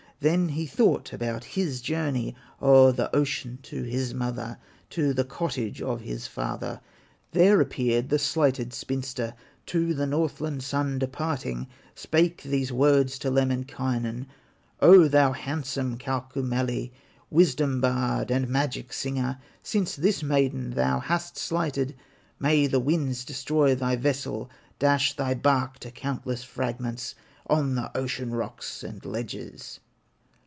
Then he thought about his journey O'er the ocean to his mother, To the cottage of his father. There appeared the slighted spinster, To the Northland son departing, Spake these words to Lemminkainen: "O, thou handsome Kaukomieli, Wisdom bard, and magic singer, Since this maiden thou hast slighted, May the winds destroy thy vessel, Dash thy bark to countless fragments On the ocean rocks and ledges!"